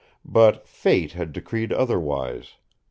. But fate had decreed otherwise.